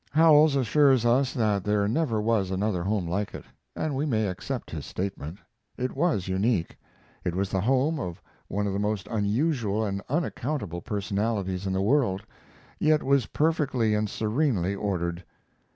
Howells assures us that there never was another home like it, and we may accept his statement. It was unique. It was the home of one of the most unusual and unaccountable personalities in the world, yet was perfectly and serenely ordered.